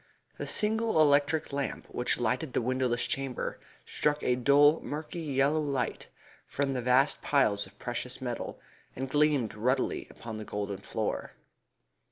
The single electric lamp which lighted the windowless chamber struck a dull, murky, yellow light from the vast piles of precious metal, and gleamed ruddily upon the golden floor.